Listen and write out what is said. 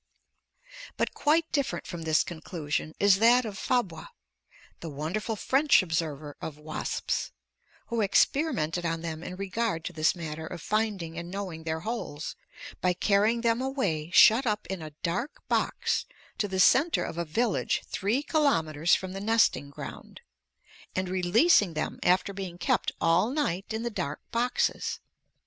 But quite different from this conclusion is that of Fabre, the wonderful French observer of wasps, who experimented on them in regard to this matter of finding and knowing their holes, by carrying them away shut up in a dark box to the center of a village three kilometers from the nesting ground, and releasing them after being kept all night in the dark boxes.